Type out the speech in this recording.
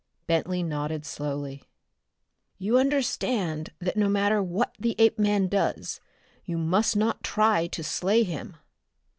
Bentley nodded slowly. "You understand that no matter what the Apeman does, you must not try to slay him?"